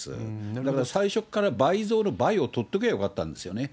だから、最初から倍増の倍を取っときゃよかったんですよね。